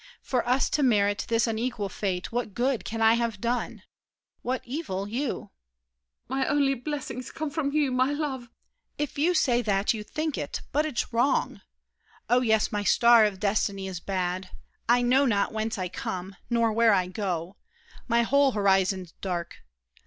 For us to merit this unequal fate, What good can I have done? What evil you? MARION. My only blessings come from you, my love! DIDIER. If you say that you think it, but it's wrong! Oh, yes, my star of destiny is bad. I know not whence I come, nor where I go. My whole horizon's dark.